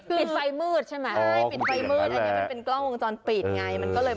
ปิดไฟมืดใช่ไหมอ๋อปิดไฟมืดอันนี้เป็นกล้องวงจรปิดไงอ๋อเห็นแล้วแหละ